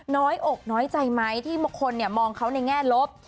น้อยอกน้อยใจไหมที่บางคนมองเขาในแง่ลบ